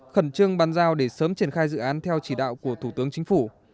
khẩn trương bàn giao để sớm triển khai dự án theo chỉ đạo của thủ tướng chính phủ